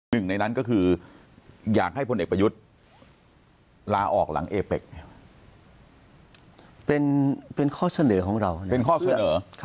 หนึ่งในนั้นก็คืออยากให้พลเอกประยุทธ์ลาออกหลังเอเป็ก